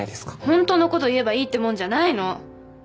ほんとのこと言えばいいってもんじゃないの。